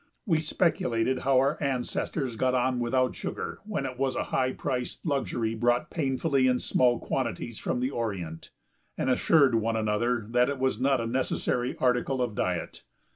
We speculated how our ancestors got on without sugar when it was a high priced luxury brought painfully in small quantities from the Orient, and assured one another that it was not a necessary article of diet.